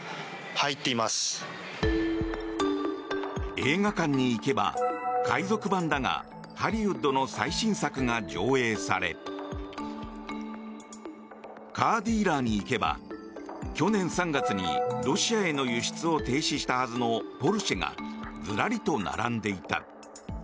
映画館に行けば、海賊版だがハリウッドの最新作が上映されカーディーラーに行けば去年３月にロシアへの輸出を停止したはずのポルシェがずらりと並んでいた。